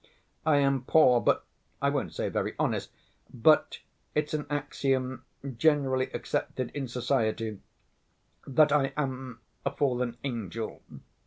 "I am poor, but ... I won't say very honest, but ... it's an axiom generally accepted in society that I am a fallen angel.